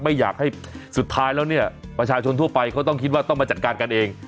ไม่อยากให้สุดท้ายแล้วเนี่ยประชาชนทั่วไปเขาต้องคิดว่าต้องมาจัดการกันเอง